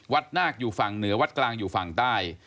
นาคอยู่ฝั่งเหนือวัดกลางอยู่ฝั่งใต้